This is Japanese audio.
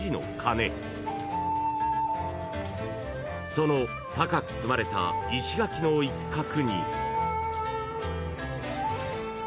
［その高く積まれた石垣の一角に］